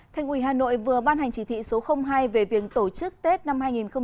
thành ủy hà nội vừa ban hành chỉ thị số hai về việc tổ chức tết năm hai nghìn hai mươi